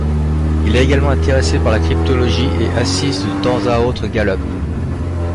Il est également intéressé par la cryptologie et assiste de temps à autre Gallup.